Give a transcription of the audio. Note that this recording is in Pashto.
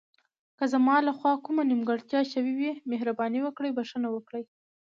که زما له خوا کومه نیمګړتیا شوې وي، مهرباني وکړئ بښنه وکړئ.